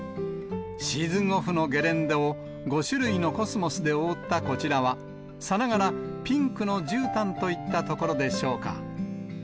シーズンオフのゲレンデを５種類のコスモスで覆ったこちらは、さながらピンクのじゅうたんといったところでしょうか。